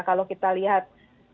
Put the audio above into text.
kalau kita lihat